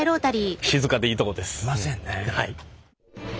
いませんねえ。